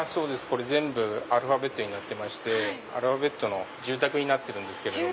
全部アルファベットになっててアルファベットの住宅になってる。